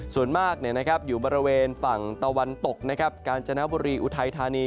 ส่วนมากอยู่บริเวณฝั่งตะวันตกกาญจนบุรีอุทัยธานี